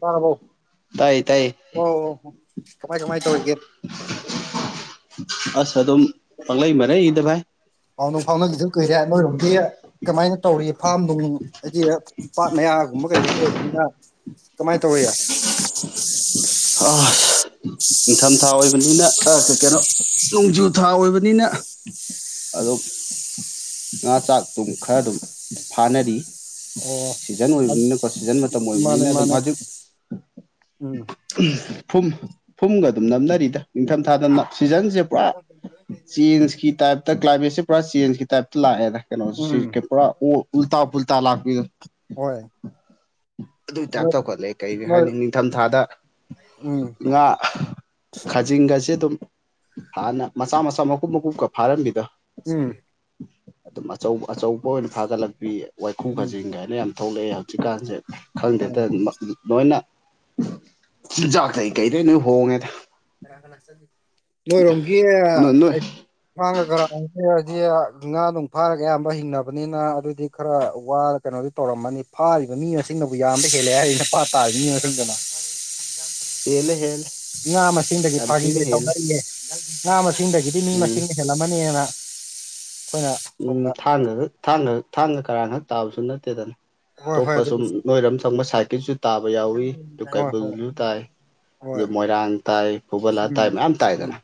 ꯇꯥꯔꯕꯣ ꯇꯥꯏꯌꯦ ꯇꯥꯏꯌꯦ ꯑꯣ ꯑꯣ ꯀꯃꯥꯏ ꯀꯃꯥꯏ ꯇꯧꯔꯤꯒꯦ ꯑꯁ ꯑꯗꯨꯝ ꯄꯪꯂꯩ ꯃꯔꯩꯔꯤꯗ ꯚꯥꯏ ꯄꯥꯎꯅꯨꯡ ꯐꯥꯎꯅꯒꯦꯁꯨ ꯀꯨꯏꯔꯦ ꯑꯃꯔꯣꯝꯗꯤ ꯀꯃꯥꯏꯅ ꯇꯧꯔꯤ ꯐꯥꯝ ꯅꯨꯡ ꯑꯩꯗꯤ ꯄꯥꯠ ꯃꯌꯥꯒꯨꯝꯕ ꯀꯩꯒꯨꯝꯕ ꯑꯣꯏꯕꯅꯤꯅ ꯀꯃꯥꯏꯟ ꯇꯧꯋꯤ ꯑ ꯑꯁ ꯏꯡꯊꯝꯊꯥ ꯑꯣꯏꯕꯅꯤꯅ ꯑ ꯀ ꯀꯩꯅꯣ ꯅꯣꯡꯖꯨ ꯊꯥ ꯑꯣꯏꯕꯅꯤꯅ ꯑꯗꯨꯝ ꯉꯥ ꯆꯥꯛꯇꯨꯝ ꯈꯔ ꯗꯨꯝ ꯐꯥꯅꯔꯤ ꯑꯣ ꯁꯤꯖꯟ ꯑꯣꯏꯕꯅꯤꯅꯀꯣ ꯁꯤꯖꯟ ꯃꯇꯝ ꯃꯥꯅꯦ ꯑꯣꯏꯕꯅꯤꯅ ꯑꯗꯨꯝ ꯃꯥꯅꯦ ꯃꯖꯨ ꯎꯝ ꯎꯝ ꯐꯨꯝ ꯐꯨꯝꯒ ꯑꯗꯨꯝ ꯅꯝꯅꯔꯤꯗ ꯅꯤꯡꯊꯝꯊꯥꯗꯅ ꯁꯤꯖꯟꯁꯦ ꯄꯨꯔꯥ [inaudible] ꯆꯦꯟꯖꯀꯤ ꯇꯥꯏꯞꯇ ꯀ꯭ꯂꯥꯏꯃꯦꯠꯁꯦ ꯄꯨꯔꯥ ꯆꯦꯟꯖꯀꯤ ꯇꯥꯏꯞꯇ ꯂꯥꯛꯑꯦꯗ ꯀꯩꯅꯣ ꯁꯤ ꯎꯝ ꯄꯨꯔꯥ ꯑꯣ ꯎꯜꯇꯥ ꯐꯨꯜꯇꯥ ꯂꯥꯛꯄꯤ ꯍꯣꯏ ꯑꯗꯨꯏ ꯇꯥꯏꯞ ꯅꯣꯏ ꯇꯧꯈꯠꯂꯦ ꯀꯩꯗꯤ ꯅꯣꯏ ꯍꯥꯏꯅꯤ ꯅꯤꯡꯊꯝ ꯊꯥꯗ ꯎꯝ ꯉꯥ ꯈꯥꯖꯤꯡꯒꯁꯦ ꯑꯗꯨꯝ ꯍꯥꯟꯅ ꯃꯆꯥ ꯃꯆꯥ ꯃꯀꯨꯞ ꯃꯀꯨꯞꯀ ꯐꯥꯔꯝꯕꯤꯗꯣ ꯎꯝ ꯑꯗꯨꯝ ꯑꯆꯧꯕ ꯑꯆꯧꯕ ꯑꯣꯏꯅ ꯐꯥꯒꯠꯂꯛꯄꯤ ꯋꯥꯏꯈꯨ ꯎꯝ ꯈꯥꯖꯤꯡ ꯒꯥꯏꯅ ꯌꯥꯝ ꯊꯣꯛꯂꯛꯑꯦ ꯍꯧꯖꯤꯛꯀꯥꯟꯖꯦ ꯈꯪꯗꯦꯗ ꯑꯣ ꯃ ꯃꯣꯏꯅ ꯆꯤꯟꯖꯥꯛꯇꯩ ꯀꯩꯗꯩ ꯂꯣꯏ ꯍꯣꯡꯉꯦꯗ ꯀꯅꯥ ꯀꯅꯥ ꯆꯠꯂꯤ ꯅꯣꯏꯔꯣꯝꯒꯤ ꯅꯣꯏ ꯅꯣꯏ ꯑꯩ ꯊꯥꯡꯒ ꯀꯔꯥꯡ ꯈꯔꯗꯤ ꯉꯥ ꯅꯨꯡ ꯐꯥꯔꯒ ꯑꯌꯥꯝꯕ ꯍꯤꯡꯅꯕꯅꯤꯅ ꯑꯗꯨꯗꯤ ꯈꯔ ꯋꯥꯔ ꯀꯩꯅꯣꯗꯨ ꯇꯧꯔꯝꯃꯅꯤ ꯐꯥꯔꯤꯕ ꯃꯤ ꯃꯁꯤꯡꯅꯕꯨ ꯌꯥꯝꯕ ꯍꯦꯜꯂꯦ ꯍꯥꯏꯔꯤꯅ ꯄꯥꯠ ꯇꯥꯔꯤꯕ ꯃꯤ ꯃꯁꯤꯡꯗꯨꯅ ꯍꯦꯜꯂꯦ ꯍꯦꯜꯂꯦ ꯉꯥ ꯃꯁꯤꯡꯗꯒꯤ ꯌꯥꯝ ꯊꯤꯅ ꯐꯥꯒꯤꯒ ꯍꯦꯜꯂꯦ ꯇꯧꯅꯔꯤꯌꯦ ꯉꯥ ꯃꯁꯤꯡꯗꯒꯤꯗꯤ ꯃꯤ ꯎꯝ ꯃꯁꯤꯡꯅ ꯍꯦꯜꯂꯝꯃꯅꯦꯅ ꯑꯈꯣꯏꯅ ꯎꯝ ꯊꯥꯡꯒꯒꯛ ꯊꯥꯡꯒꯛ ꯊꯥꯡꯒ ꯀꯔꯥꯡ ꯈꯛ ꯇꯥꯕꯁꯨ ꯅꯠꯇꯦꯗꯅ ꯍꯣꯏ ꯍꯣꯏ ꯑꯇꯣꯞꯄ ꯁꯨꯝ ꯑꯗꯨꯕꯨꯁꯨ ꯅꯣꯏꯔꯝ ꯆꯪꯕ ꯁꯥꯏꯠꯀꯤꯁꯨ ꯇꯥꯕ ꯌꯥꯎꯋꯤ ꯑꯗꯨ ꯍꯣꯏ ꯍꯣꯏ ꯀꯩꯕꯨꯜꯖꯨ ꯇꯥꯏ ꯑꯗꯨ ꯍꯣꯏ ꯃꯣꯏꯔꯥꯡ ꯇꯥꯏ ꯐꯧꯕꯂꯥ ꯎꯝ ꯇꯥꯏ ꯃꯌꯥꯝ ꯎꯝ ꯇꯥꯏꯗꯅ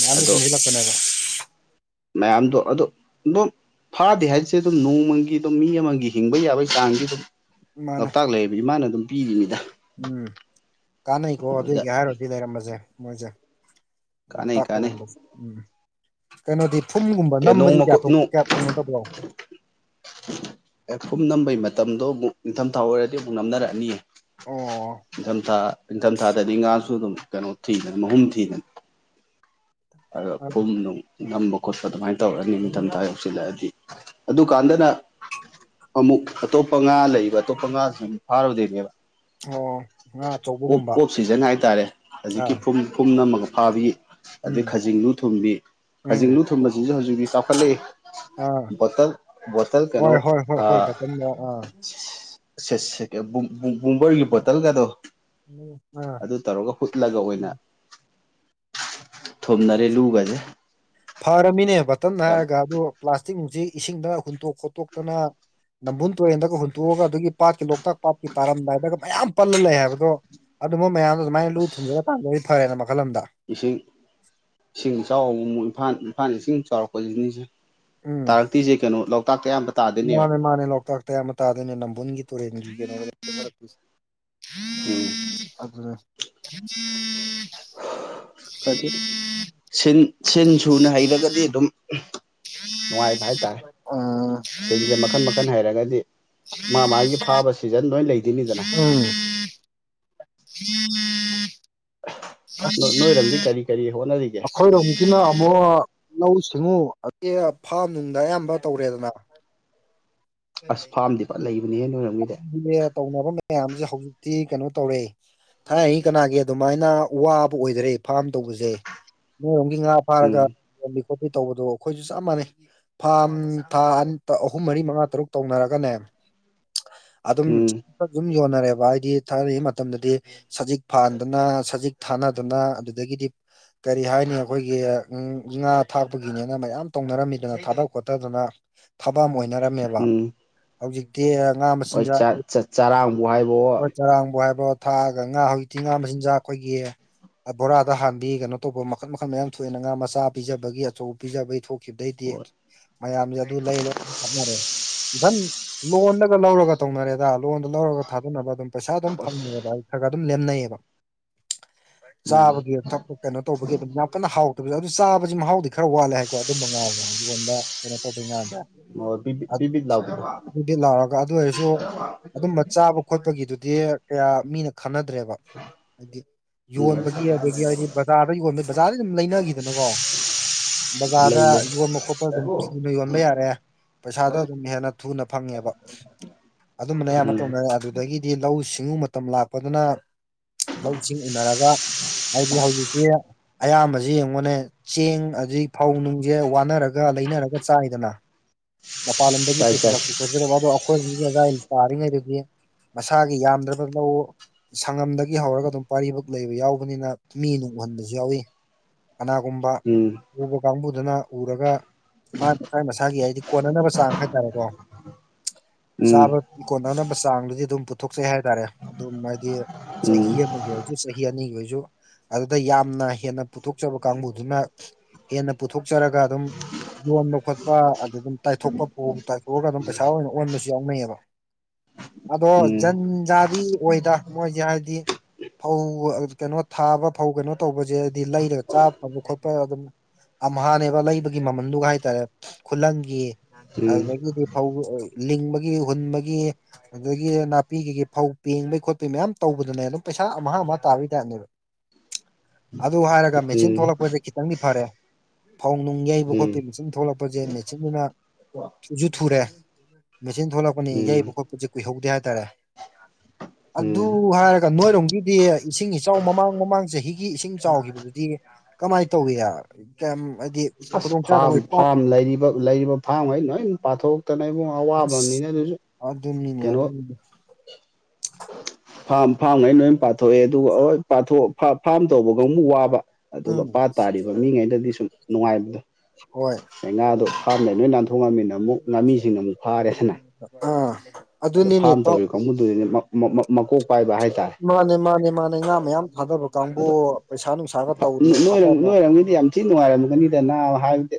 ꯃꯌꯥꯝꯗ ꯑꯗꯣ ꯄꯨꯟꯁꯤꯜꯂꯛꯄꯅꯦꯕ [unintelligible] ꯃꯌꯥꯝꯗꯣ ꯑꯗꯣ ꯗꯨꯝ ꯐꯥꯗꯦ ꯍꯥꯏꯆꯦ ꯑꯗꯨꯝ ꯅꯣꯡꯃꯒꯤ ꯑꯗꯨꯝ ꯃꯤ ꯑꯃꯒꯤ ꯍꯤꯡꯕ ꯌꯥꯕꯩ ꯆꯥꯡꯗꯤ ꯑꯗꯨꯝ ꯃꯥꯅꯦ ꯂꯣꯛꯇꯥꯛ ꯂꯩꯔꯤꯕꯤ ꯏꯃꯥꯅ ꯑꯗꯨꯝ ꯄꯤꯔꯤꯃꯤꯗ ꯎꯝ ꯀꯥꯟꯅꯩꯀꯣ ꯑꯗꯨꯏꯒꯤ ꯍꯥꯏꯔꯨꯔꯗꯤ ꯂꯩꯔꯝꯕꯖꯦ ꯃꯣꯏꯖꯦ ꯀꯥꯟꯅꯩ ꯂꯣꯛꯇꯥꯛ ꯀꯥꯟꯅꯩ ꯂꯩꯔꯝꯕꯁꯦ ꯎꯝ ꯀꯩꯅꯣꯗꯤ ꯐꯨꯝꯒꯨꯝꯕ ꯀ ꯅꯝꯕꯗꯤ ꯅꯣꯡꯃ ꯀꯌꯥ ꯊꯧ ꯅꯣꯡ ꯀꯌꯥ ꯇꯧꯅꯗꯂꯕ꯭ꯔꯣ ꯑꯦ ꯐꯨꯝ ꯅꯝꯕꯩ ꯃꯇꯝꯗꯣ ꯑꯃꯨꯛ ꯅꯤꯡꯊꯝꯊꯥ ꯑꯣꯏꯔꯗꯤ ꯑꯃꯨꯛ ꯅꯝꯅꯔꯛꯑꯅꯤꯌꯦ ꯑꯣ ꯏꯡꯊꯝꯊꯥ ꯏꯡꯊꯝꯊꯥꯗꯗꯤ ꯉꯥꯁꯨ ꯑꯗꯨꯝ ꯀꯩꯅꯣ ꯊꯤꯕꯟ ꯃꯍꯨꯝ ꯊꯤꯗꯟ ꯑꯗꯣ ꯑꯣ ꯐꯨꯝ ꯅꯨꯡ ꯅꯝꯕ ꯈꯣꯠꯄ ꯑꯗꯨꯃꯥꯏꯟ ꯇꯧꯔ ꯅꯤꯡꯊꯝ ꯊꯥ ꯌꯧ ꯁꯤꯜꯂꯛꯑꯗꯤ ꯑꯗꯨꯀꯥꯟꯗꯅ ꯑꯃꯨꯛ ꯑꯇꯣꯞꯄ ꯉꯥ ꯂꯩ ꯕ ꯑꯇꯣꯞꯄ ꯉꯥꯁꯤꯡꯑꯨ ꯐꯥꯔꯨꯗꯣꯏꯅꯦꯕ ꯑꯣ ꯑ‌ꯣꯞ ꯑ‌ꯣꯞ ꯁꯤꯖꯟ ꯍꯥꯏꯇꯥꯔꯦ ꯑꯥ ꯍꯧꯖꯤꯛꯀꯤ ꯐꯨꯝ ꯐꯨꯝ ꯃꯝꯃꯒ ꯐꯥꯕꯤ ꯑꯗꯩ ꯎꯝ ꯈꯖꯤꯡ ꯂꯨ ꯊꯨꯝꯕꯤ ꯎꯝ ꯈꯖꯤꯡ ꯂꯨ ꯊꯨꯝꯕꯁꯤꯁꯨ ꯍꯧꯖꯤꯛꯗꯤ ꯆꯥꯎꯈꯠꯂꯦ ꯑꯥ ꯕꯣꯇꯜ ꯕꯣꯇꯜ ꯀꯩꯅꯣ ꯍꯣꯏ ꯍꯣꯏ ꯍꯣꯏ ꯍꯣꯏ ꯑꯥ ꯕꯇꯟꯗ ꯑꯥ ꯁꯦ ꯀꯨꯝ ꯀꯨꯡꯒ‌ꯣꯏꯒꯤ ꯕꯣꯇꯜꯒꯗꯣ ꯎꯝ ꯑꯥ ꯑꯗꯨ ꯇꯧꯔꯒ ꯍꯨꯠꯂꯒ ꯑꯣꯏꯅ ꯊꯨꯝꯅꯔꯦ ꯂꯨꯒꯖꯦ ꯐꯔꯃꯤꯅꯦ ꯕꯇꯝꯅ ꯍꯥꯏꯔꯒ ꯑꯗꯣ ꯄ꯭ꯂꯥꯁꯇꯤꯛ ꯅꯨꯡꯆꯤ ꯏꯁꯤꯡꯗ ꯍꯨꯟꯇꯣꯛ ꯈꯣꯠꯇꯣꯛꯇꯅ ꯅꯝꯕꯨꯟ ꯇꯨꯔꯦꯟꯗꯒ ꯍꯨꯟꯇꯣꯛꯑꯒ ꯑꯗꯨꯒꯤ ꯄꯥꯠꯀꯤ ꯂꯣꯛꯇꯥꯛ ꯄꯥꯠꯀꯤ ꯇꯥꯔꯝꯗꯥꯏꯗꯒ ꯃꯌꯥꯝ ꯄꯜꯂ ꯂꯩ ꯍꯥꯏꯕꯗꯣ ꯑꯗꯨꯃ ꯃꯌꯥꯝꯗꯣ ꯑꯗꯨꯃꯥꯏꯅ ꯂꯨ ꯊꯨꯝꯖꯂꯀꯥꯟꯗ ꯐꯔꯦꯅ ꯃꯈꯜ ꯑꯝꯗ ꯏꯁꯤꯡ ꯏꯁꯤꯡ ꯏꯆꯥꯎ ꯑꯃꯨꯛ ꯑꯃꯨꯛ ꯏꯝꯐꯥꯜ ꯏꯝꯐꯥꯜ ꯏꯁꯤꯡ ꯆꯥꯎꯔꯛꯄꯁꯤꯅꯤꯁꯦ ꯎꯝ ꯇꯥꯔꯛꯇꯨꯖ‌ꯦ ꯀꯩꯅꯣ ꯂꯣꯛꯇꯥꯛ ꯇ ꯑꯌꯥꯝꯕ ꯇꯥꯗꯣꯏꯅꯦꯕ ꯃꯥꯅꯦ ꯃꯥꯅꯦ ꯂꯣꯛꯇꯥꯛꯇꯌꯥꯝꯕ ꯇꯥꯗꯣꯏꯅꯦ ꯅꯝꯕꯨꯜꯒꯤ ꯇꯨꯔꯦꯟꯒꯤ ꯎꯝ [unintelligible] ꯈꫪꯗꯤ ꯁꯤꯟ ꯁꯤꯟ ꯁꯨꯅ ꯍꯩꯔꯒꯗꯤ ꯑꯗꯨꯝ ꯅꯨꯡꯉꯥꯏꯕ ꯍꯥꯏꯇꯥꯔꯦ ꯎꯝ ꯁꯤꯟꯁꯦ ꯃꯈꯟ ꯃꯈꯟ ꯍꯩꯔꯒꯗꯤ ꯃꯥ ꯃꯥꯒꯤ ꯐꯥꯕ ꯁꯤꯖꯟ ꯂꯣꯏ ꯂꯩ ꯎꯝ ꯅꯣꯏꯔꯝꯗꯤ ꯀꯔꯤ ꯀꯔꯤ ꯍꯣꯠꯅꯔꯤꯒꯦ ꯑꯩꯈꯣꯏ ꯔꫭꯝ ꯁꯤꯅ ꯑꯃꯨꯛ ꯂꯧꯎ ꯁꯤꯡꯎ ꯑꯗꯒꯤ ꯐꯥꯝ ꯅꯨꯡꯗ ꯑꯌꯥꯝꯕ ꯇꯧꯔꯦꯗꯅ ꯑꯁ ꯐꯥꯝꯗꯤ ꯐꯖꯟ ꯂꯩꯕꯅꯤꯍꯦ ꯅ‌ꯣꯏꯔꯝꯒꯤꯗ‌ꯦ ꯇꯧꯅꯕ ꯃꯌꯥꯝꯁꯦ ꯍꯧꯖꯤꯛꯇꯤ ꯀꯩꯅꯣ ꯇꯧꯔꯦ ꯊꯥꯏꯅꯒꯤ ꯀꯅꯥꯒꯤ ꯑꯗꯨꯃꯥꯏꯅ ꯋꯥꯕ ꯑꯣꯏꯗꯔꯦ ꯐꯥꯝ ꯇꯧꯕꯁꯦ ꯅꯣꯏꫪꫭꯝꯒꯤ ꯉꯥ ꯐꯥꯔꯒ ꯎꯝ ꯌꯣꯟꯕꯤ ꯈꯣꯠꯄꯤ ꯇꯧꯕꯗꯣ ꯑꯩꯈꯣꯏꯁꯨ ꯆꯞ ꯃꯥꯟꯅꯩ ꯐꯥꯝ ꯊꯥ ꯑꯍꯨꯝ ꯃꯔꯤ ꯃꯉꯥ ꯇꯔꯨꯛ ꯇꯧꯅꯔꯒꯅꯦ ꯎꯝ ꯑꯗꯨꯝ ꯌꯣꯟꯅꯔꯦꯕ ꯍꯥꯏꯗꯤ ꯊꯥꯏꫪꯛ ꯃꯇꯝꯗꯨꯗꯤ ꯁꯖꯤꯛ ꯐꯟꯗꯅ ꯁꯖꯤꯛ ꯊꯥꯅꯗꯅ ꯑꯗꯨꯗꯒꯤꯗꯤ ꯀꯔꯤ ꯍꯥꯏꯅꯤ ꯑꯩꯈꯣꯏꯒꯤ ꯉꯥ ꯊꯥꯛꯄꯒꯤꯅꯦꯅ ꯃꯌꯥꯝ ꯇꯧꯅꯔꯝꯃꯤꯗꯅ ꯊꯥꯗ ꯈꯣꯠꯇꯗꯅ ꯊꯕꯛ ꯑꯃ ꯑꯣꯏꯅꯔꯝꯃꯦꯕ ꯎꯝ ꯍꯧꯖꯤꯛ ꯇꯤ ꯉꯥ ꯍꯣꯏ ꯃꯆꯤꯟꯖꯥꯛ ꯆꯔꯥꯡꯕꯨ ꯍꯥꯏꯕꯋꯣ ꯆꯔꯥꯡꯕꯨ ꯍꯥꯏꯕꫭ ꯊꯥꯛꯑꯒ ꯉꯥ ꯍꯧꯖꯤꯛꯇꯤ ꯉꯥ ꯃꯆꯤꯟꯖꯥꯛ ꯑꯩꯈꯣꯏꯒꯤ ꯕꯣꯔꯥꯗ ꯍꯥꯟꯕꯤ ꯀꯩꯅꯣ ꯇꯧꯕ ꯃꯈꯜ ꯃꯈꯜ ꯃꯌꯥꯝ ꯊꯣꯛꯑꯦꯅ ꯉꯥ ꯃꯆꯥ ꯄꯤꯖꯕꯒꯤ ꯑꯆꯧꯕ ꯄꯤꯖꯕꯒꯤ ꯊꯣꯛ ꯈꯤꯗꯩꯗꯤ ꯍꯣꯏ ꯃꯌꯥꯝꯁꯦ ꯑꯗꯨ ꯂꯩꯔ ꯍꯥꯞꯅꫪ‌ꯦ ꯏꯕꯟ ꯂꯣꯟꯗꯒ ꯂꯧꯔꯒ ꯇꯧꯅꯔꯦꯗ ꯂꯣꯟꯗ ꯂꯧꯔꯒ ꯊꯥꯗꯅꯕ ꯑꯗꯨꯝ ꯄꯩꯁꯥ ꯑꯗꯨꯝ ꯑꯁ ꯐꯪꯉꯦꯕ ꯑꯩ ꯈꯔꯒ ꯑꯗꯨꯝ ꯂꯦꯝꯅꯩꯕ ꯎꯝ ꯆꯥꯕꯒꯤ ꯊꯛꯄ ꯀꯩꯅꯣ ꯇꯧꯕꯒꯤ ꯑꯗꯨꯝ ꯌꯥꯝ ꯀꯟꯅ ꯍꯥꯎ ꯇꯕꯨꯖ ꯆꯥꯕꯁꯤ ꯃꯍꯥꯎꯗꯤ ꯈꯔ ꯋꯥꯠꯂꯦ ꯍꯥꯏꯀꯣ ꯑꯗꯨ ꯃꯉꯥꯟꯅ ꯌꫭꯟꯕ ꯀꯩꯅꯣ ꯇꯧꯕ‌ꯩ ꯉꯥꯟꯗ ꯑꯣ ꯕꯤꯠ ꯕꯤꯠꯕꯤꯠ ꯂꯥꯎꯕꯤꯗꫭ ꯕꯤꯠꯕꯤ ꯂꯥꯎꯔꯒ ꯑꯗꯨ ꯑꯣꯏꯔꯁꯨ ꯑꯗꯨꯒꯨꯝꯕ ꯆꯥꯕ ꯈꯣꯠꯄꯒꯤꯗꯨꯗꯤ ꯀꯌꯥ ꯃꯤꯅ ꯈꯟꯅꯗ꯭ꯔꯦꯕ ꯍꯥꯏꯗꯤ ꯎꯝ ꯌꯣꯟꯕꯒꯤ ꯑꯗꯒꯤ ꯍꯥꯏꯗꯤ ꯕꯖꯥꯔꯗ ꯌꯣꯟꯕꯒꯤ ꯕꯖꯥꯔꯗ ꯑꯗꯨꯝ ꯂꯩꯅꯒꯤꯗꯅꯀꯣ ꯕꯖꯥꯔꯗ ꯂꯩ ꯂꯩ ꯌꯣꯟꯕ ꯈꯣꯠꯄ ꯑꯗꯨꯝ ꯁꯨꯅ ꯌꯣꯟꯕ ꯌꯥꯔꯦ ꯄꯩꯁꯥꯗꯣ ꯑꯗꯨꯝ ꯍꯦꯟꯅ ꯊꯨꯅ ꯐꯪꯉꯦꯕ ꯑꯗꯨꯝꯕꯅ ꯑꯌꯥꯝꯕ ꯎꯝ ꯇꯧꯅꯔꯦ ꯑꯗꯨ ꯗꯒꯤꯗꯤ ꯂꯧꯎ ꯁꯤꯡꯎ ꯃꯇꯝ ꯂꯥꯛꯄꯗꯨꯅ ꯂꯧꯁꯤꯡ ꯎꯅꯔꯒ ꯍꯥꯏꯗꯤ ꯍꯧꯖꯤꯛꯇꯤ ꯑꯌꯥꯝꯕꯖꯤ ꯌꯦꯡꯉꯨꯅꯦ ꯆꯦꯡ ꯑꯗꯩ ꯐꯧ ꯅꯨꯡꯖꯦ ꯋꯥꯟꯅꯔꯒ ꯂꯩꯅꯔꯒ ꯆꯥꯏꯗꯅ ꯃꯄꯥꯟ ꯂꯝꯗꯒꯤ ꯆꯥꯏ ꯆꯥꯏ ꯄꯨꯁꯤꯜꯂꯛꯄ ꯈꯣꯠꯆꯤꯜꯂꯛꯞ ꯑꯗꯣ ꯑꯩꯈꯣꯏ ꯃꯤꯖꯤꯡ ꯑꯗꯥꯏ ꯇꯥꯔꯤꯉꯩꯗꯗꯤ ꯃꯁꯥꯒꯤ ꯌꯥꯝꯗ꯭ꯔꯕ ꯂꯧ ꯁꯪꯉꯝꯗꯒꯤ ꯍꯧꯔꯒ ꯑꯗꯨꯝ ꯄꯥꯔꯤꯕꯣꯛ ꯂꯩꯕ ꯌꯥꯎꯕꯅꯤꯅ ꯃꯤ ꯅꯨꯡ ꯎꯍꯟꯕꯁꯨ ꯌꯥꯎꯋꯤ ꯀꯅꯥꯒꯨꯝꯕ ꯎꯝ ꯎꯕ ꯀꯥꯡꯕꯨꯗꯨꯅ ꯎꯔꯒ ꯃꯥꯏ ꯃꯁꯥꯒꯤ ꯍꯥꯏꯗꯤ ꯀꯣꯟꯅꯅꯕ ꯆꯥꯡ ꯍꯥꯏ ꯇꯥꯔꯦꯀꯣ ꯆꯥꯕ ꯎꯝ ꯀꯣꯟꯅꯅꯕ ꯆꯥꯡꯗꯨꯗꯤ ꯑꯗꯨꯝ ꯄꯨꯊꯣꯛꯆꯩ ꯍꯥꯏꯇꯥꯔꯦ ꯑꯗꯨꯝ ꯍꯥꯏꯗꯤ ꯆꯍꯤ ꯎꯝ ꯑꯃꯒꯤ ꯗꯨ ꯆꯍꯤ ꯑꯅꯤꯒꯤ ꯑꯣꯏꯁꯨ ꯑꯗꯨꯗ ꯌꯥꯝꯅ ꯍꯦꯟꯅ ꯄꯨꯊꯣꯛꯆꯕ ꯀꯥꯡꯕꯨꯗꯨꯅ ꯍꯦꯟꯅ ꯄꯨꯊꯣꯛꯆꯔꯒ ꯑꯗꯨꯝ ꯌꯣꯟꯕ ꯈꯣꯠꯄ ꯑꯗꯨꯒꯨꯝ ꯇꯥꯏꯊꯣꯛꯄ ꯐꯧ ꯇꯥꯏꯊꯣꯛꯑꯀꯟꯗ ꯄꯩꯁꯥ ꯑꯣꯏꯅ ꯑꯣꯟꯕꯁꯨ ꯌꯥꯎꯅꯩꯌꯦꯕ ꯑꯗꯣ ꯎꯝ ꯖꯟꯖꯥꯗꯤ ꯑꯣꯏꯗ ꯃꯣꯏꯖ‌ꯦ ꯍꯥꯏꯗꯤ ꯐꯧ ꯀꯩꯅꯣ ꯊꯥꯕ ꯐꯧ ꯀꯩꯅꯣ ꯇꯧꯕꯁꯦ ꯍꯥꯏꯗꯤ ꯂꯩꯔꯒ ꯆꯥ ꯐꯕ ꯈꯣꯠꯄ ꯑꯗꯨꯝ ꯑꯝꯍꯅꯦꯕ ꯂꯩꯕꯒꯤ ꯃꯃꯜꯗꯨꯒ ꯍꯥꯏꯇꯥꯔꯦ ꯈꯨꯂꯪꯒꯤ ꯎꯝ ꯑꯗꯨꯗꯒꯤꯗꯤ ꯐꯧ ꯂꯤꯡꯕꯒꯤ ꯍꯨꯟꯕꯒꯤ ꯑꯗꯒꯤ ꯅꯥꯄꯤꯒꯤꯒꯤ ꯐꯧ ꯄꯦꯡꯕꯩ ꯈꯣꯠꯄꯩ ꯃꯌꯥꯝ ꯇꯧꯕꯗꯨꯅꯦ ꯑꯗꯨꯝ ꯄꯩꯁꯥ ꯑꯝ ꯍꯥ ꯑꯝ ꯍꯥ ꯇꯥꯏꯞꯅ‌ꯦꯕ ꯑꯗꯨ ꯍꯥꯏꯔꯒ ꯃꯦꯆꯤꯟ ꯊꯣꯛꯂꯛꯄꯖꯦ ꯈꯤꯇꯪꯗꯤ ꯐꯔꯦ ꯐꯧ ꯅꯨꯡ ꯌꯩꯕ ꯈꯣꯠꯄꯩ ꯎꯝ ꯃꯦꯆꯤꯟ ꯊꯣꯛꯂꯛꯄꯖꯦ ꯃꯦꯆꯤꯟꯗꯨꯅ ꯊꯨꯖꯨ ꯊꯨꯔꯦ ꯃꯦꯆꯤꯟ ꯎꯝ ꯊꯣꯛꯂꯛꯄꯅꯤ ꯎꯝ ꯌꯩꯕ ꯈꯣꯠꯄꯖꯦ ꯀꯨꯏꯍꯧꯗꯦ ꯍꯥꯏꯇꯥꯔꯦ ꯑꯗꯨ ꯎꯝ ꯍꯥꯏꯔꯒ ꯅꯣꯏꯔꯣꯝꯒꯤꯗꯤ ꯏꯁꯤꯡ ꯏꯆꯥꯎ ꯃꯃꯥꯡ ꯃꯃꯥꯡ ꯆꯍꯤꯒꯤ ꯏꯁꯤꯡ ꯆꯥꯎꯒꯤꯕ ꯗꯨꯗꯤ ꯀꯃꯥꯏ ꯇꯧꯌꯤ ꯀꯌꯥꯝ ꯍꯥꯏꯗꯤ ꯑꯁ ꯐꯥꯝ ꯈꯨꯗꯣꯡꯆꯥꯥꯗꯕ ꯄꯥꯠ ꯐꯥꯝ ꯂꯩꯔꯤꯕ ꯂꯩꯔꯤꯕ ꯐꯥꯝꯒꯩ ꯂꯣꯏ ꯄꯥꯊꯣꯛꯇꯅ ꯏꯕꯨꯡꯉꯣ ꯑꯋꯥꯕ ꯑꯁ ꯑꯃꯅꯤꯅ ꯑꯗꯨꯖꯨ ꯑꯗꯨꯅꯤꯅꯦ ꯑꯗꯨꯅꯤ ꯐꯥꯝ ꯐꯥꯝ ꯉꯩ ꯂꯣꯏ ꯄꯥꯊꯣꯛꯑꯦ ꯑꯗꯨꯒ ꯍꯣꯏ ꯄꯥꯊꯣꯛ ꯐꯥ ꯐꯥꯝ ꯇꯧꯕ ꯀꯥꯡꯃꯨ ꯋꯥꯕ ꯑꯗꯨꯒ ꯎꯝ ꯄꯥꯠ ꯇꯥꯔꯤꯕ ꯃꯤꯉꯩꯗꯗꯤ ꯁꯨꯝ ꯅꯨꯡꯉꯥꯏꯕꯗꯣ ꯍꯣꯏ ꯉꯁꯥꯏ ꯉꯥꯗꯣ ꯐꯥꯝꯗꯩ ꯅꯣꯏ ꯅꯥꯟꯊꯣꯛꯑꯝꯅꯤꯅ ꯑꯃꯨꯛ ꯉꯥꯃꯤꯁꯤꯡ ꯑꯃꯨꯛ ꯐꯔꯦꯗꯅ ꯑꯥ ꯑꯗꯣ ꯑꯗꯨꯅꯤꯅꯦ ꯐꯥꯝ ꯇꯧ ꯇꯧꯔꯤ ꯀꯥꯡꯕꯨꯗꯨꯗꯤ ꯅꯦ ꯃꯞ ꯃꯞ ꯃꯞ ꯃꯀꯣꯛ ꯄꯥꯏꯕ ꯍꯥꯏꯇꯥꯔꯦ ꯃꯥꯅꯦ ꯃꯥꯅꯦ ꯃꯥꯅꯦ ꯉꯥ ꯃꯌꯥꯝ ꯊꯥꯗꯕ ꯀꯥꯡꯕꯨ ꯄꯩꯁꯥ ꯅꯨꯡꯁꯥꯒ ꯇꯧꯗꯅ ꯅꯣꯏꯔꯣꯝ ꯊꯥꯗꯕ ꯅꯣꯏꯔꯣꯝꯒꯤꯗꯤ ꯌꯥꯝ ꯊꯤ ꯅꯨꯡꯉꯥꯏꯔꯝꯒꯅꯤꯗꯅ ꯅꯕ ꯍꯥꯏꯕꯗꯤ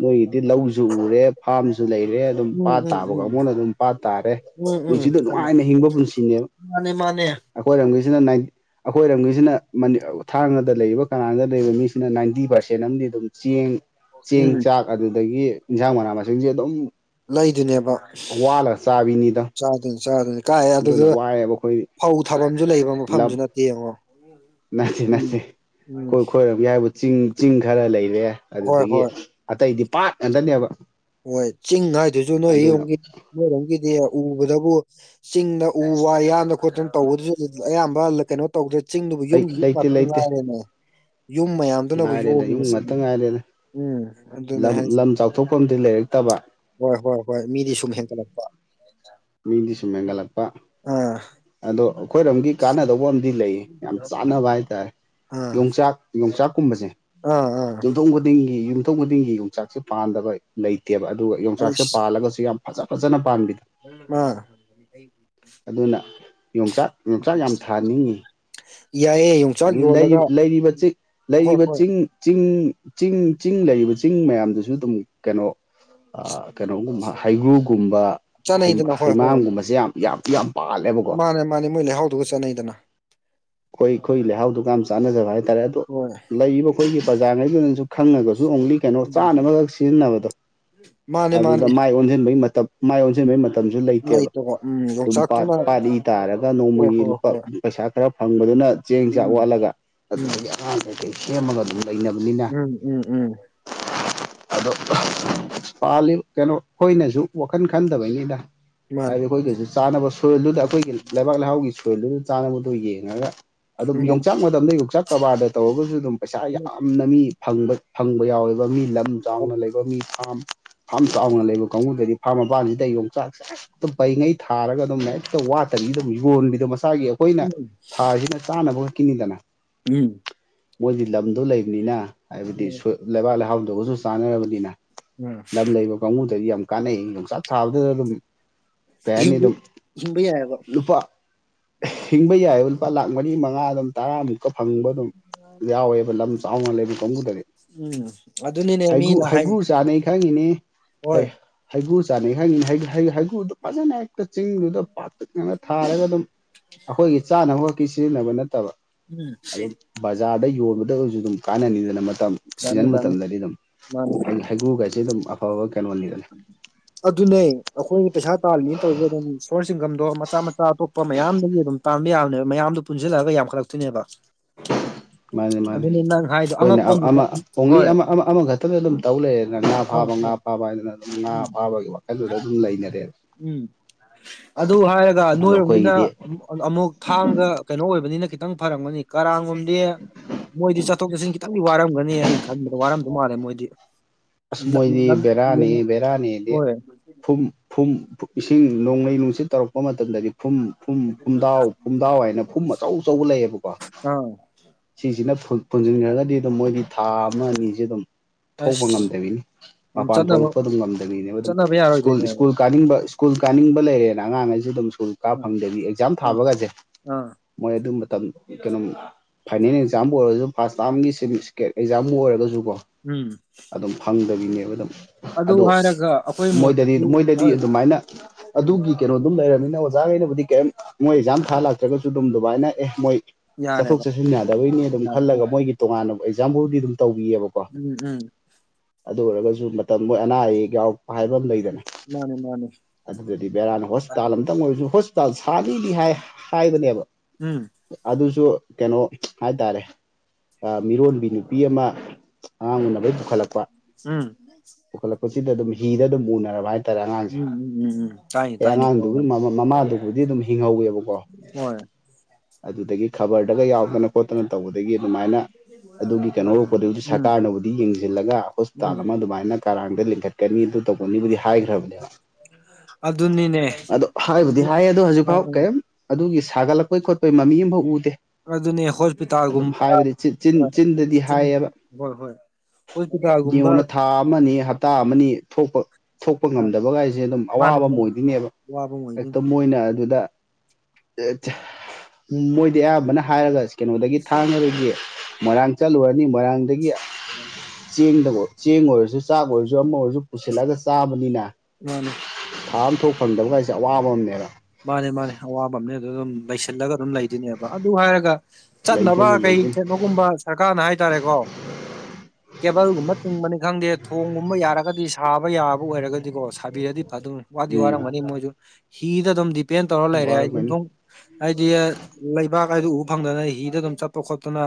ꯅꯣꯏꯒꯤꯗꯤ ꯂꯧꯖꯨ ꯎꯔꯦ ꯐꯥꯝꯖꯨ ꯂꯩꯔꯦ ꯗꯨꯝ ꯎꯝ ꯄꯥꯠ ꯎꯝ ꯇꯥꯕ ꯎꯝ ꯀꯥꯡꯕꯨꯅ ꯗꯨꯝ ꯄꯥꯠ ꯇꯥꯔꯦ ꯎꯝ ꯎꯝ ꯄꯨꯟꯁꯤꯗꯨ ꯈꯪꯉꯦ ꯅꯨꯡꯉꯥꯏꯅ ꯍꯤꯡꯕ ꯄꯨꯟꯁꯤꯅꯦꯕ ꯃꯥꯅꯦ ꯃꯥꯅꯦ ꯑꯩꯈꯣꯏꯔꯣꯝꯒꯤꯖꯤꯅ ꯅꯥꯏꯠ ꯑꯩꯈꯣꯏꯔꯣꯝꯒꯤꯖꯤꯅ ꯃꯅꯤ ꯑꯧ __ ꯊꯥꯡꯒꯗ ꯂꯩꯔꯤꯕ ꯀꯔꯥꯡꯗꯥ ꯂꯩꯔꯤꯕ ꯃꯤꯁꯤꯅ ꯅꯥꯏꯟꯇꯤ ꯄꯥꯔꯁꯦꯟ ꯑꯝꯗꯤ ꯑꯗꯨꯝ ꯆꯦꯡ ꯆꯦꯡ ꯎꯝ ꯆꯥꯛ ꯑꯗꯨꯗꯒꯤ ꯏꯟꯁꯥꯡ ꯃꯅꯥ ꯃꯁꯤꯡꯖꯦ ꯑꯗꯨꯝ ꯂꯩꯗꯨꯏꯅꯦꯕ ꯋꯥꯜꯂꯒ ꯆꯥꯕꯤꯅꯤꯗ ꯆꯥꯗꯣꯏꯅꯦ ꯆꯥꯗꯣꯏꯅꯤ ꯀꯥꯏꯑꯦ ꯑꯗꯨꯅ ꯑꯗꯨꯗ ꯋꯥꯏꯑꯦꯕ ꯑꯩꯈꯣꯏ ꯐꯧ ꯊꯥꯕꯝꯖꯨ ꯂꯩꯕ ꯃꯐꯝꯁꯨ ꯅꯠꯇꯦ ꯌꯦꯡꯉꯣ ꯅꯠ ꯊꯦ ꯎꯝ ꯅꯠꯊꯦ ꯎꯝ ꯈꯣꯏ ꯈꯣꯏꯔꯝꯒꯤ ꯍꯥꯏꯕꯨ ꯆꯤꯡ ꯆꯤꯡ ꯈꯔ ꯂꯩꯔꯦ ꯍꯣꯏ ꯑꯗꯨꯗꯒꯤ ꯍꯣꯏ ꯑꯇꯩꯗꯤ ꯄꯥꯠ ꯉꯗꯅꯦꯕ ꯋꯣꯏꯠ ꯆꯤꯡ ꯍꯥꯏꯗꯨꯖꯨ ꯅꯣꯏ ꯌꯨꯝꯒꯤ ꯅꯣꯏꯔꯣꯝꯒꯤꯗꯤ ꯎꯕꯗꯕꯨ ꯆꯤꯡꯗ ꯎ ꯋꯥ ꯌꯥꯟꯗ ꯈꯣꯠꯇꯅ ꯇꯧꯕꯗꯨꯁꯨ ꯑꯌꯥꯝꯕ ꯂꯛ ꯀꯩꯅꯣ ꯇꯧꯗ꯭ꯔꯦ ꯆꯤꯡꯗꯨꯕꯨ ꯌꯨꯝꯒꯤ ꯌꯨꯝ ꯂꯩꯇꯦ ꯉꯥꯛꯇꯕꯨ ꯂꯩꯇꯦ ꯉꯥꯏꯔꯦꯅꯦ ꯌꯨꯝ ꯃꯌꯥꯝ ꯗꯨꯅꯕꯨ ꯉꯥꯏꯔꯦꯗ ꯌꯣꯝꯃꯤꯅꯦ ꯌꯨꯝ ꯉꯥꯛꯇ ꯆꯤꯡꯗꯣ ꯉꯥꯏꯔꯦꯗ ꯎꯝ ꯑꯗꯨꯅꯦ ꯍꯥꯏꯖꯦ ꯊꯣꯛ ꯐꯝꯗꯤ ꯂꯩꯔꯛꯇꯕ꯫ ꯍꯣꯏ! ꯍꯣꯏ! ꯍꯣꯏ! ꯃꯤꯗꯤ ꯁꯨꯝ ꯍꯦꯟꯒꯠꯂꯛꯄ꯫ ꯃꯤꯗꯤ ꯁꯨꯝ ꯍꯦꯟꯒꯠꯂꯛꯄ ꯑ ꯑꯗꯣ ꯑꯈꯣꯏꯔꯣꯝꯒꯤ ꯀꯥꯟꯅꯗꯧꯕ ꯑꯃꯗꯤ ꯂꯩꯌꯦ ꯌꯥꯝ ꯆꯥꯟꯅꯕ ꯍꯥꯏꯇꯥꯔꯦ꯫ ꯑꯥ ꯌꯣꯡꯆꯥꯛ ꯌꯣꯡꯆꯥꯛ ꯀꯨꯝꯕꯖꯦ ꯑꯥ ꯑꯥ ꯌꯨꯝꯊꯣꯡ ꯈꯨꯗꯤꯡ ꯏ ꯌꯨꯝꯊꯣꯡ ꯈꯨꯗꯤꯡꯒꯤ ꯌꯣꯡꯆꯥꯛꯁꯦ ꯄꯥꯟꯗꯕ ꯂꯩꯇꯦꯕ ꯑꯗꯨꯒ ꯌꯣꯡꯆꯥꯛꯁꯦ ꯄꯥꯜꯂꯒꯁꯨ ꯌꯥꯝ ꯐꯖ ꯐꯖꯅ ꯄꯥꯟꯕꯤ ꯃ ꯑꯗꯨꯅ ꯌꯣꯡꯆꯥꯛ ꯌꯣꯡꯆꯥꯛ ꯌꯥꯝ ꯊꯥꯅꯤꯡ ꯉꯤ꯫ ꯌꯥꯏꯌꯦ ꯌꯣꯡꯆꯥꯛ ꯑꯗꯨ ꯂꯩ ꯌꯣꯜꯂꯒ ꯂꯩꯔꯤꯕ ꯆꯤ ꯍꯣꯏ ꯂꯩꯔꯤꯕ ꯍꯣꯏ ꯆꯤꯡ ꯆꯤꯡ ꯆꯤꯡ ꯆꯤꯡ ꯂꯩꯔꯤꯕ ꯆꯤꯡ ꯃꯌꯥꯝꯗꯨꯁꯨ ꯗꯨꯝ ꯀꯩꯅꯣ ꯑ ꯀꯩꯅꯣꯒꯨꯝꯕ ꯍ ꯍꯩꯒ꯭ꯔꯨꯒꯨꯝꯕꯥ ꯍꯩ ꯆꯥꯅꯩꯗꯅ ꯍꯣꯏ ꯍꯣꯏ ꯍꯩꯃꯥꯡꯒꯨꯝꯕꯁꯦ ꯌꯥꯝ ꯌꯥꯝ ꯌꯥꯝ ꯄꯥꯜꯂꯦꯕꯀꯣ ꯃꯥꯅꯦ ꯃꯥꯅꯦ ꯃꯣꯏ ꯂꯩꯍꯥꯎꯗꯨꯒ ꯆꯅꯩꯗꯅ꯫ ꯈꯣꯏ ꯈꯣꯏ ꯂꯩꯍꯥꯎꯗꯨꯒ ꯌꯥꯝ ꯆꯥꯟꯅꯖꯕ ꯍꯥꯏꯇꯥꯔꯦ ꯑꯗꯨ ꯍꯣꯏ ꯂꯩꯔꯤꯕ ꯑꯈꯣꯏꯒꯤ ꯄ꯭ꯔꯖꯥꯉꯩꯗꯨꯅꯖꯨ ꯈꯪꯉꯒꯖꯨ ꯑꯣꯡꯂꯤ ꯀꯩꯅꯣ ꯎꯝ ꯆꯥꯅꯕꯒꯛ ꯁꯤꯖꯤꯟꯅꯕꯗꯣ ꯃꯥꯅꯦ ꯑꯗꯨꯗ ꯃꯥꯅꯦ ꯃꯥꯏ ꯑꯣꯟꯁꯤꯟꯕꯒꯤ ꯃꯇꯝ__ ꯃꯥꯏ ꯑꯣꯟꯁꯤꯟꯕꯩ ꯃꯇꯝꯁꯨ ꯂꯩꯇꯦꯕ ꯂꯩꯇꯕ ꯎꯝ ꯑꯗꯨꯝ ꯄꯥꯠ ꯌꯣꯡꯆꯥꯛꯇꯨꯅ ꯄꯥꯠꯂꯤ ꯇꯥꯔꯒ ꯍꯣꯏ ꯅꯣꯡꯃꯒꯤ ꯍꯣꯏ ꯂꯨꯄꯥ ꯍꯣꯏ ꯄꯩꯁꯥ ꯈꯔ ꯐꯪꯕꯗꯨꯅ ꯆꯦꯡ ꯆꯥꯛ ꯋꯥꯜ ꯎꯝ ꯂꯒ ꯎꯝ ꯑꯗꯨꯗꯒꯤ ꯑꯉꯥꯡ ꯀꯩꯩ ꯀꯩ ꯁꯦꯝꯃꯒ ꯑꯗꯨꯝ ꯂꯩꯅꯕꯅꯤꯅꯥ ꯎꯝ ꯎꯝ ꯎꯝ [unintelligible] ꯄꯥꯜꯂꯤꯕ ꯀꯩꯅꯣ ꯈꯣꯏꯅꯖꯨ ꯋꯥꯈꯟ ꯈꯟꯗꯕꯩꯅꯤꯗ ꯃꯥꯅꯤ ꯍꯥꯏꯗꯤ ꯑꯈꯣꯏꯒꯖꯨ ꯆꯥꯅꯕ ꯁꯣꯏꯜꯗꯨꯗ ꯑꯩꯈꯣꯏꯒꯤ ꯂꯩꯕꯥꯛ ꯂꯩꯍꯥꯎꯒꯤ ꯁꯣꯏꯜꯗꯨꯗ ꯆꯥꯅꯕꯗꯨ ꯌꯦꯡꯉꯒ ꯑꯗꯨꯝ ꯎꯝ ꯌꯣꯡꯆꯥꯛ ꯃ ꯇꯝꯗ ꯌꯣꯡꯆꯥꯛ ꯀꯔꯕꯥꯔꯗ ꯇꯧꯔꯒꯁꯨ ꯑꯗꯨꯝ ꯄꯩꯁꯥ ꯌꯥꯝꯅ ꯃꯤ ꯐꯪꯕ ꯐꯪꯕ ꯌꯥꯎꯋꯦꯕ ꯃꯤ ꯂꯝ ꯆꯥꯎꯅ ꯂꯩꯕ ꯃꯤ ꯐꯥꯔꯝ ꯐꯥꯔꯝ ꯆꯥꯎꯅ ꯂꯩꯕ ꯀꯥꯡꯕꯨꯗꯗꯤ ꯐꯥꯔꯝ ꯃꯄꯜꯁꯤꯗ ꯌꯣꯡꯆꯥꯛꯁꯦ ꯍꯦꯛ ꯇ ꯄꯩꯉꯩ ꯊꯥꯔꯒ ꯑꯗꯨꯝ ꯍꯦꯛꯇ ꯋꯥꯠꯇꯕꯤ ꯑꯗꯨꯝ ꯌꯣꯟꯕꯤꯗꯣ ꯃꯁꯥꯒꯤ ꯑꯩꯈꯣꯏꯅ ꯊꯥꯔꯤꯁꯤꯅ ꯆꯥꯅꯕ ꯈꯛꯀꯤꯅꯤꯗꯅ ꯎꯝ ꯃꯣꯏꯗꯤ ꯂꯝꯗꯣ ꯂꯩꯕꯅꯤꯅ ꯍꯥꯏꯕꯗꯤ ꯁꯣꯏ ꯂꯩꯕꯥꯛ ꯂꯩꯍꯥꯎꯗꯨꯒꯁꯨ ꯆꯥꯟꯅꯔꯕꯅꯤꯅ ꯎꯝ ꯂꯝ ꯂꯩꯕ ꯀꯥꯡꯕꯨꯗꯗꯤ ꯌꯥꯝ ꯀꯥꯟꯅꯩ ꯌꯣꯡꯆꯥꯛ ꯊꯥꯕꯗꯗ ꯑꯗꯨꯝ ꯀꯩ ꯍꯥꯏꯅꯤ ꯍꯤꯡꯕ ꯑꯗꯨꯝ ꯍꯤꯡꯕ ꯌꯥꯏꯑꯕ ꯂꯨꯄꯥ ꯎꯝ ꯍꯤꯡꯕ ꯌꯥꯏꯕ ꯂꯨꯄꯥ ꯂꯥꯛ ꯃꯔꯤ ꯃꯉꯥ ꯑꯗꯨꯝ ꯇꯔꯥ ꯑꯗꯨꯝ ꯀ ꯐꯪꯕ ꯑꯗꯨꯝ ꯌꯥꯎꯋꯦꯕ ꯂꯝ ꯆꯥꯎꯅ ꯂꯩꯕ ꯀꯥꯡꯕꯨꯗꯗꯤ ꯎꯝ! ꯑꯗꯨꯅꯤꯅꯦ ꯃꯤꯅ ꯍꯥꯏ ꯈꯪꯉꯤꯅꯦ ꯍꯥꯏ ꯍꯣꯏ ꯍꯩꯒꯨ ꯆꯥꯅꯩ ꯈꯪꯉꯤ ꯍꯩꯒꯨꯗꯨ ꯐꯖꯅ ꯍꯦꯛꯇ ꯆꯤꯡꯗꯨꯗ ꯄꯥꯠꯇꯛ ꯉꯅ ꯊꯥꯔꯒ ꯑꯗꯨꯝ ꯑꯩꯈꯣꯏꯒꯤ ꯆꯥꯅꯕ ꯁꯤꯖꯤꯟꯅꯕ ꯅꯠꯇꯕ ꯎꯝ ꯑꯗꯨꯝ ꯕꯖꯥꯔꯗ ꯌꯣꯟꯕꯗ ꯑꯣꯏꯔꯁꯨ ꯑꯗꯨꯝ ꯀꯥꯟꯅꯅꯤꯡꯗꯅ ꯃꯇꯝ ꯀꯥꯟꯅꯩ ꯁꯤꯖꯟ ꯀꯥꯟꯅꯩ ꯃꯇꯝꯗꯗꯤ ꯑꯗꯨꯝ ꯃꯥꯅꯤ ꯍꯩꯒ꯭ꯔꯨꯒꯩꯁꯦ ꯑꯗꯨꯝ ꯑꯐꯕ ꯀꯩꯅꯣꯅꯤꯗꯅꯤ ꯎꯝ ꯑꯗꯨꯅꯦ ꯑꯩꯈꯣꯏꯅ ꯄꯩꯁꯥ ꯇꯥꯜꯂꯤꯅꯤꯅ ꯇꯧꯔꯤꯁꯦ ꯑꯗꯨꯝ ꯁꯣꯔꯣꯟ ꯏꯟꯒꯝꯗꯣ ꯃꯆꯥ ꯃꯆꯥ ꯑꯇꯣꯞꯄ ꯃꯌꯥꯝꯗꯒꯤ ꯑꯗꯨꯝ ꯇꯟꯕ ꯌꯥꯕꯥꯅꯦꯕ ꯃꯌꯥꯝꯗꯨ ꯄꯨꯟꯁꯤꯜꯂꯛꯑꯒ ꯌꯥꯝꯈꯠꯂꯛꯇꯣꯏꯅꯦꯕ ꯃꯥꯅꯦ ꯃꯥꯅꯦ ꯑꯗꯨꯅꯤ ꯅꯪ ꯍꯥꯏꯗꯣ ꯑꯩꯈꯣꯏꯅ ꯑꯉꯛꯄ ꯑꯃꯗ ꯑꯃ ꯑꯣꯡꯂꯤ ꯍꯣꯏ ꯑꯃ ꯑꯃ ꯑꯃꯈꯛꯇꯗ ꯑꯗꯨꯝ ꯇꯧ ꯂꯩꯔꯦꯅ ꯉꯥ ꯍꯣꯏ ꯐꯥꯕ ꯉꯥ ꯍꯣꯏ ꯐꯥꯕ ꯍꯥꯏꯗꯅ ꯑꯗꯨꯝ ꯉꯥ ꯎꯝ ꯐꯥꯕꯒꯤ ꯋꯥꯈꯜꯗꯨꯗ ꯑꯗꯨꯝ ꯂꯩꯅꯔꯦꯕ ꯎꯝ ꯑꯗꯨ ꯍꯥꯏꯔꯒ ꯑꯗꯣ ꯅꯣꯏꯔꯣꯝꯅꯤꯅ ꯑꯩꯈꯣꯏꯒꯤꯗꯤ ꯑꯃꯨꯛ ꯊꯥꯡꯒ ꯀꯩꯅꯣ ꯑꯣꯏꯕꯅꯤꯅ ꯈꯤꯇꯪ ꯐꯔꯝꯒꯅꯤ ꯀꯔꯥꯡꯒꯣꯝ ꯃꯣꯏꯗꯤ ꯆꯠꯊꯣꯛ ꯆꯠꯁꯤꯟ ꯈꯤꯇꯪꯗꯤ ꯋꯥꯔꯝꯒꯅꯤ ꯑꯩꯅ ꯈꯟꯕꯗ ꯋꯥꯔꯝꯗꯧ ꯃꯥꯜꯂꯦ ꯃꯣꯏꯗꯤ ꯑꯁ ꯃꯣꯏꯗꯤ ꯂꯝ ꯕꯦꯔꯥꯅꯤ ꯌꯦꯡ ꯕꯔꯥꯅꯤꯗꯤ ꯍꯣꯏ ꯐꯨꯝ ꯐꯨꯝ ꯏꯁꯤꯡ ꯅꯣꯡꯂꯩ ꯅꯨꯡꯁꯤꯠ ꯇꯧꯔꯛꯄ ꯃꯇꯝꯗꯗꯤ ꯐꯨꯝ ꯐꯨꯝ ꯐꯨꯝꯗꯥꯎ ꯐꯨꯝꯗꯥꯎ ꯍꯥꯏꯅ ꯐꯨꯝ ꯑꯆꯧ ꯑꯆꯧꯕ ꯂꯩꯌꯦꯕꯀꯣ ꯑꯥ ꯁꯤꯁꯤꯅ ꯄꯨꯟꯁꯤꯟꯈ꯭ꯔꯒꯗꯤ ꯑꯗꯨꯝ ꯃꯣꯏꯗꯤ ꯊꯥ ꯑꯃ ꯑꯅꯤꯁꯦ ꯑꯗꯨꯝ ꯑꯁ ꯊꯣꯛꯄ ꯉꯝꯃꯤ ꯅꯤ ꯑꯗꯨꯝ ꯃꯄꯥꯟ ꯆꯠꯅꯕ ꯊꯣꯛꯂꯛꯄ ꯑꯗꯨꯝ ꯉꯝꯗꯕꯤꯅꯦꯕ ꯑꯗꯨꯝ ꯆꯠꯅꯕ ꯁ꯭ꯀꯨꯜ ꯌꯥꯔꯣꯏꯗꯣꯏꯅꯦꯕ ꯁ꯭ꯀꯨꯜ ꯀꯥꯅꯤꯡꯕ ꯁ꯭ꯀꯨꯜ ꯀꯥꯅꯤꯡꯕ ꯂꯩꯔꯦꯅ ꯑꯉꯥꯡꯉꯩꯁꯨ ꯑꯗꯨꯝ ꯁ꯭ꯀꯨꯜ ꯀꯥ ꯑꯥ ꯐꯪꯗꯕꯤ ꯑꯦꯛꯖꯥꯝ ꯑꯥ ꯊꯥꯕꯒꯁꯦ ꯑꯥ ꯃꯣꯏ ꯑꯗꯨ ꯃꯇꯝ ꯀꯩꯅꯣꯝ ꯐꯥꯏꯅꯦꯜ ꯑꯦꯛꯖꯥꯝꯕꯨ ꯑꯣꯏꯔꯁꯨ ꯐꯥꯔꯁ ꯇꯥꯔꯝꯒꯤ ꯁꯤ ꯏꯁꯀꯦꯠ ꯑꯦꯛꯖꯥꯝꯕꯨ ꯑꯣꯏꯔꯒꯁꯨꯀꯣ ꯎꯝ ꯑꯗꯨꯝ ꯐꯪꯗꯕꯤꯅꯦꯕ ꯑꯗꯨꯝ ꯑꯗꯨ ꯑꯗꯣ ꯍꯥꯏꯔꯒ ꯑꯩꯈꯣꯏ ꯃꯣꯏꯗꯗꯤ ꯃꯣꯠꯇꯗꯤ ꯃꯣꯏꯗꯗꯤ ꯍꯣꯏ ꯑꯗꯨꯃꯥꯏꯅ ꯎꯝ ꯑꯗꯨꯒꯤ ꯀꯩꯅꯣ ꯑꯗꯨꯝ ꯂꯩꯔꯕꯝꯃꯤꯅ ꯑꯣꯖꯥꯈꯩꯅꯕꯨꯗꯤ ꯀꯔꯤꯝ ꯃꯣꯏ ꯑꯦꯛꯖꯥꯝ ꯊꯥ ꯂꯥꯛꯇ꯭ꯔꯒꯁꯨ ꯑꯗꯨꯝ ꯑꯗꯨꯃꯥꯏꯅ ꯑꯦ ꯃꯣꯏ ꯆꯠꯊꯣꯛ ꯌꯥꯔꯦꯕ ꯆꯠꯁꯤꯟ ꯌꯥꯗꯕꯩꯅꯦ ꯑꯗꯨꯝ ꯌꯥꯗꯕꯩ ꯈꯜꯂꯒ ꯃꯣꯏꯒꯤ ꯇꯣꯉꯥꯟꯥꯟꯕ ꯑꯦꯛꯖꯥꯝꯄꯜꯗꯤ ꯑꯗꯨꯝ ꯇꯧꯕꯤꯌꯦꯕꯀꯣ ꯎꯝ ꯎꯝ ꯑꯗꯨ ꯑꯣꯏꯔꯒꯁꯨ ꯃꯇꯝ ꯃꯣꯏ ꯑꯅꯥ ꯑꯌꯦꯛ ꯌꯥꯎꯔꯛꯄ ꯍꯥꯏꯕ ꯑꯃ ꯂꯩꯗꯅ ꯃꯥꯅꯤ ꯃꯥꯅꯤ ꯑꯗꯨꯗꯤ ꯕꯦꯔꯥꯅ ꯍꯣꯁꯄꯤꯇꯥꯜ ꯑꯃꯇꯪ ꯑꯣꯏꯔꯁꯨ ꯍꯁ ꯁꯥꯅꯤꯗꯤ ꯍꯥꯏ ꯍꯥꯏꯕꯅꯦꯕ ꯎꯝ ꯑꯗꯨꯁꯨ ꯀꯩꯅꯣ ꯍꯥꯏꯇꯥꯔꯦ ꯃꯤꯔꯣꯟꯕꯤ ꯅꯨꯄꯤ ꯑꯃ ꯑꯉꯥꯡ ꯎꯅꯕꯩ ꯄꯨꯈꯠꯂꯛꯄ ꯎꯝ ꯄꯨꯈꯠꯂꯛꯄꯁꯤꯗ ꯑꯗꯨꯝ ꯍꯤꯗ ꯑꯗꯨꯝ ꯎꯅꯔꯕ ꯍꯥꯏꯇꯥꯔꯦ ꯑꯉꯥꯡꯁꯦ ꯎꯝ ꯎꯝ ꯎꯝ ꯎꯝ ꯇꯥꯏꯅꯤ ꯑꯦ ꯇꯥꯏꯅꯤ ꯍꯣꯏ ꯑꯉꯥꯡꯗꯨꯒꯤ ꯃꯃ ꯃꯃꯥꯗꯨꯕꯨꯗꯤ ꯑꯗꯨꯝ ꯍꯤꯡꯍꯧꯋꯦꯕꯀꯣ ꯑꯗꯨꯗꯒꯤ ꯈꯕꯔꯗꯒ ꯌꯥꯎꯗꯅ ꯈꯣꯠꯇꯅ ꯇꯧꯕꯗꯒꯤ ꯑꯗꯨꯃꯥꯏꯅ ꯑꯗꯨꯒꯤ ꯀꯩꯅꯣꯔꯄꯗꯨꯕꯨꯗꯤ ꯎꯝ ꯁꯔꯀꯥꯔꯅꯕꯨꯗꯤ ꯌꯦꯡꯁꯤꯜꯂꯒ ꯎꯝ ꯍꯣꯁꯄꯤꯇꯥꯜ ꯑꯃ ꯑꯗꯨꯃꯥꯏꯅ ꯀꯔꯥꯡꯗ ꯂꯤꯡꯈꯠꯀꯅꯤ ꯑꯗꯨ ꯇꯧꯒꯅꯤꯕꯨꯗꯤ ꯍꯥꯏꯈ꯭ꯔꯕꯅꯦꯕ ꯑꯗꯨꯅꯤꯅꯦ ꯑꯗꯨ ꯍꯥꯏꯕꯨꯗꯤ ꯍꯥꯏ ꯑꯣ ꯍꯧꯖꯤꯛꯐꯥꯎ ꯀꯔꯤꯝ ꯑꯗꯨꯒꯤ ꯁꯥꯒꯠꯂꯛꯄꯩ ꯈꯣꯠꯄꯩ ꯃꯃꯤ ꯑꯃꯐꯥꯎ ꯎꯗꯦ ꯑꯗꯨꯅꯦ ꯑꯗꯨꯝ ꯍꯣꯁꯄꯤꯇꯥꯜꯒꯨꯝꯕ ꯍꯥꯏꯕꯗꯤ ꯆꯤꯟ ꯆꯤꯟꯗꯗꯤ ꯆꯤꯟ ꯍꯥꯏꯌꯦꯕ ꯍꯣꯏ ꯍꯣꯏ ꯍꯣꯁꯄꯤꯇꯥꯜꯒꯨꯝꯕ ꯌꯦꯡꯉꯅ ꯊꯥ ꯑꯃꯅꯤ ꯍꯞꯇꯥ ꯑꯃꯅꯤ ꯊꯣꯛꯄ ꯊꯣꯛꯄ ꯉꯝꯗꯕꯒꯥꯏꯁꯦ ꯑꯗꯨꯝ ꯑꯋꯥꯕ ꯑꯃ ꯑꯣꯏꯗꯣꯏꯅꯦꯕ ꯋꯥꯕꯨꯡꯉ ꯍꯦꯛꯇ ꯃꯣꯏꯅ ꯑꯗꯨꯗ ꯃꯣꯏꯗꯤ ꯑꯌꯥꯝꯕꯅ ꯍꯥꯏꯔꯒ ꯀꯩꯅꯣꯗꯒꯤ ꯊꯥꯡꯉꯗꯒꯤ ꯃꯣꯏꯔꯥꯡ ꯆꯠꯂꯨꯔꯅꯤ ꯃꯣꯏꯔꯥꯡꯗꯒꯤ ꯎꯝ [inaudible] ꯆꯦꯡꯗꯀꯣ ꯆꯦꯡ ꯑꯣꯏꯔꯁꯨ ꯆꯥꯛ ꯑꯣꯏꯔꯁꯨ ꯑꯃ ꯑꯣꯏꯔꯁꯨ ꯄꯨꯁꯤꯜꯂꯒ ꯆꯥꯕꯅꯤꯅ ꯃꯥꯅꯦ ꯊꯥ ꯑꯃ ꯊꯣꯛ ꯐꯪꯗꯕ ꯀꯥꯏꯁꯦ ꯑꯋꯥꯕ ꯑꯃꯅꯦꯕ ꯃꯥꯅꯦ ꯃꯥꯅꯦ ꯑꯋꯥꯕ ꯑꯃꯅꯦ ꯑꯗꯨ ꯑꯗꯨꯝ ꯂꯩꯁꯤꯜꯂꯒ ꯑꯗꯨꯝ ꯂꯩꯗꯨꯏꯅꯦꯕ ꯑꯗꯨ ꯍꯥꯏꯔꯒ ꯆꯠꯅꯕ ꯂꯩꯗꯣꯏꯅꯤ ꯀꯩ ꯂꯩꯗꯣꯏꯅꯤ ꯆꯠꯅꯣꯒꯨꯝꯕ ꯁꯔꯀꯥꯔꯅ ꯍꯥꯏꯇꯥꯔꯦꯀꯣ ꯀꯦꯕꯜꯒꯨꯝꯕ ꯇꯤꯡꯕꯅꯤ ꯈꯪꯗꯦ ꯊꯣꯡꯒꯨꯝꯕ ꯌꯥꯔꯒꯗꯤ ꯁꯥꯕ ꯌꯥꯕ ꯑꯣꯏꯔꯒꯗꯤꯀꯣ ꯁꯥꯕꯤꯔꯗꯤ ꯐꯗꯣꯏꯅꯤ ꯋꯥꯗꯤ ꯎꯝ ꯋꯥꯔꯝꯒꯅꯤ ꯃꯣꯏꯁꯨ ꯍꯤꯗ ꯑꯗꯨꯝ ꯗꯤꯄꯦꯟ ꯇꯧꯔ ꯂꯩꯔꯦ ꯋꯥꯔꯝꯒꯅꯤ ꯌꯨꯝꯊꯨꯡ ꯍꯥꯏꯗꯤ ꯂꯩꯕꯥꯛ ꯍꯥꯏꯗꯣ ꯎ ꯐꯪꯗꯅ ꯍꯤꯗ ꯑꯗꯨꯝ ꯆꯠꯄ ꯈꯣꯠꯇꯅ